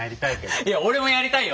いや俺もやりたいよ。